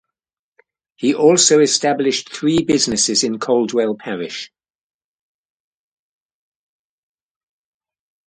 He also established three businesses in Caldwell Parish.